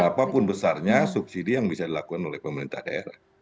apapun besarnya subsidi yang bisa dilakukan oleh pemerintah daerah